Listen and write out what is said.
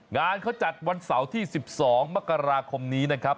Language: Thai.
งานเขาจัดวันเสาร์ที่๑๒มกราคมนี้นะครับ